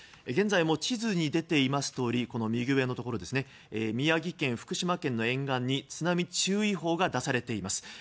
現在も地図に出ていますとおり右上のところ宮城県、福島県の沿岸に津波注意報が出されています。